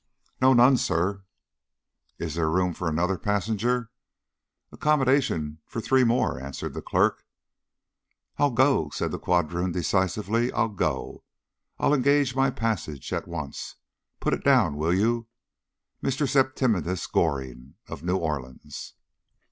"No, none, sir." "Is there room for another passenger?" "Accommodation for three more," answered the clerk. "I'll go," said the quadroon decisively; "I'll go, I'll engage my passage at once. Put it down, will you Mr. Septimius Goring, of New Orleans."